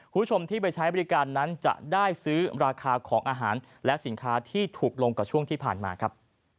คุณผู้ชมที่ไปใช้บริการนั้นจะได้ซื้อราคาของอาหารและสินค้าที่ถูกลงกว่าช่วงที่ผ่านมาครับ